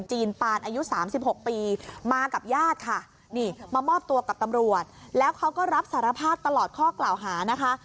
ปานอายุ๓๖ปีมากับญาติค่ะนี่มามอบตัวกับตำรวจแล้วเขาก็รับสารภาพตลอดข้อกล่าวหานะคะ